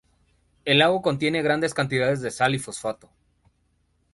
El lago contiene grandes cantidades de sal y fosfato.